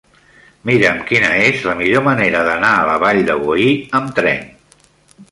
Mira'm quina és la millor manera d'anar a la Vall de Boí amb tren.